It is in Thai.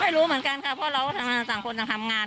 ไม่รู้เหมือนกันค่ะเพราะเราสามคนทำงาน